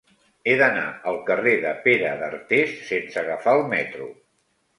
He d'anar al carrer de Pere d'Artés sense agafar el metro.